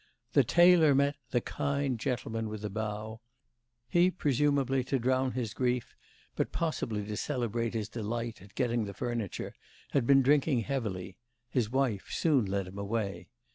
The tailor met the 'kind gentlemen' with a bow; he, presumably, to drown his grief, but possibly to celebrate his delight at getting the furniture, had been drinking heavily; his wife soon led him away.